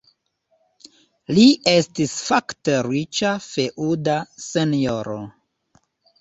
Li estis fakte riĉa feŭda senjoro.